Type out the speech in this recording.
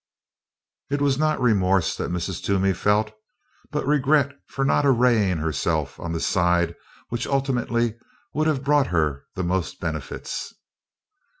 It was not remorse that Mrs. Toomey felt, but regret for not arraying herself on the side which ultimately would have brought her the most benefits.